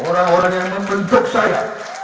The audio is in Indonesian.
orang orang yang membentuk saya